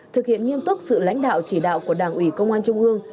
thực hiện nghiêm túc sự lãnh đạo chỉ đạo của đảng ủy công an trung ương